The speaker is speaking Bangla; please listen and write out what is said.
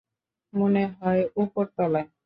মনে হয় উপরতলায়।